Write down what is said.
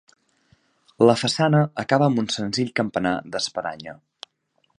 La façana acaba amb un senzill campanar d'espadanya.